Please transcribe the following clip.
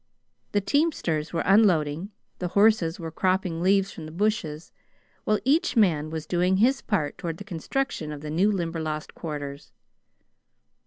The teamsters were unloading, the horses were cropping leaves from the bushes, while each man was doing his part toward the construction of the new Limberlost quarters.